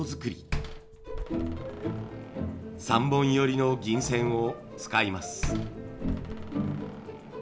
３本よりの銀線を使います。